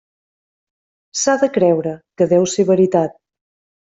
S'ha de creure, que deu ser veritat.